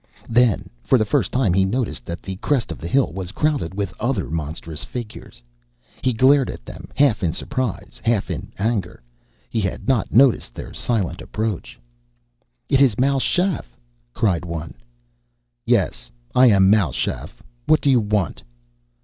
Then, for the first time he noticed that the crest of the hill was crowded with other monstrous figures. He glared at them, half in surprise, half in anger. He had not noticed their silent approach. "It is Mal Shaff!" cried one. "Yes, I am Mal Shaff. What do you want?"